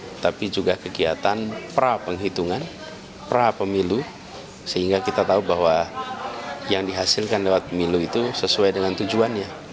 tetapi juga kegiatan pra penghitungan pra pemilu sehingga kita tahu bahwa yang dihasilkan lewat pemilu itu sesuai dengan tujuannya